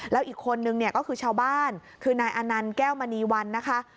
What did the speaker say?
แล้วอีกคนนึงเนี่ยก็คือชาวบ้านคือนายอนันต์แก้วมณีวันนะคะ